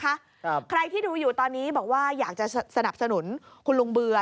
ครับใครที่ดูอยู่ตอนนี้บอกว่าอยากจะสนับสนุนคุณลุงเบื่อ